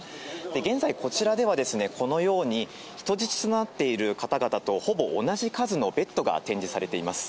現在、こちらではこのように人質となっている方々とほぼ同じ数のベッドが展示されています。